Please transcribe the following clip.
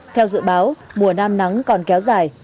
theo dự báo mùa nam nắng còn kéo dài